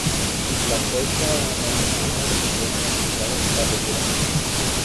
Las fuerzas de Nobunaga se vieron obligadas a retirarse.